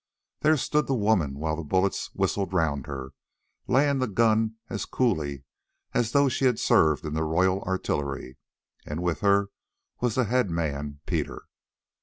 There stood the woman, while the bullets whistled round her, laying the gun as coolly as though she had served in the Royal Artillery, and with her was the head man, Peter.